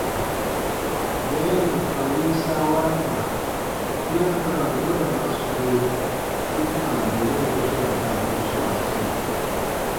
Mɛɛru ka win saawaraba, bera ba ra woodaba sue tem kãa bɔnun wuswaa daabun swaa sɔɔ.